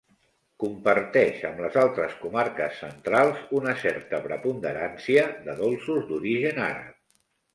Comparteix amb les altres comarques centrals una certa preponderància de dolços d'origen àrab.